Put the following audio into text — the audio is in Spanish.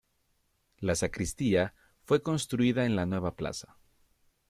La sacristía fue construida en la nueva plaza.